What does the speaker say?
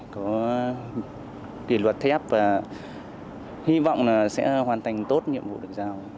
có kỳ luật thép và hy vọng sẽ hoàn thành tốt nhiệm vụ được giao